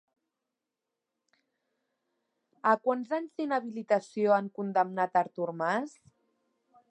A quants anys d'inhabilitació han condemnat a Artur Mas?